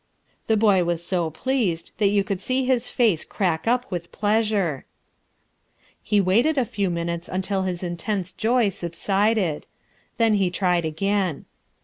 The boy was so pleased that you could see his face crack up with pleasure. He waited a few minutes until his intense joy subsided. Then he tried again.